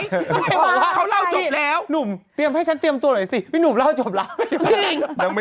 ไม่บอกว่าอะไรนี่หนุ่มเตรียมให้ฉันเตรียมตัวหน่อยสินี่หนุ่มเล่าจบแล้ว